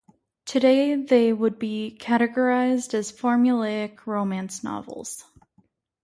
Today they would be categorised as formulaic romance novels.